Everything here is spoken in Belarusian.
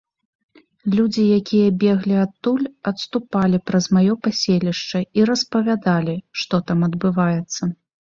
Людзі, якія беглі адтуль, адступалі праз маё паселішча і распавядалі, што там адбываецца.